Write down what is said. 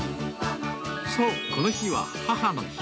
そう、この日は母の日。